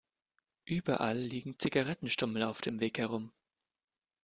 Überall liegen Zigarettenstummel auf dem Weg herum.